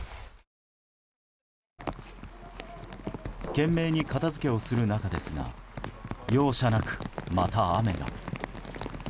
懸命に片付けをする中ですが容赦なく、また雨が。